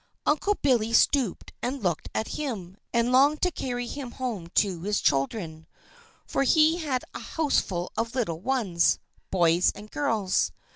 Uncle Billy stooped and looked at him, and longed to carry him home to his children, for he had a houseful of little ones, boys and girls.